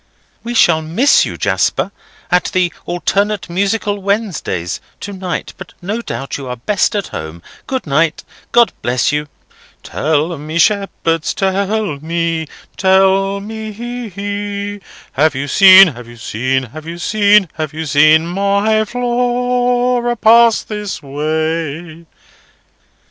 "We shall miss you, Jasper, at the 'Alternate Musical Wednesdays' to night; but no doubt you are best at home. Good night. God bless you! 'Tell me, shep herds, te e ell me; tell me e e, have you seen (have you seen, have you seen, have you seen) my y y Flo o ora a pass this way!